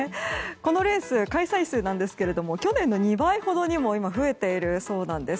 このレース開催数なんですけど去年の２倍ほどに今、増えているそうなんです。